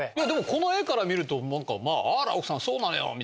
でもこの絵から見るとなんかまあ「あら奥さんそうなのよ」